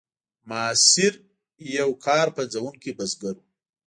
ماسیر یو کار پنځوونکی بزګر و.